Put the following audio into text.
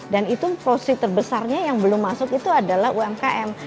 dan itu posisi terbesarnya yang belum masuk itu adalah umkm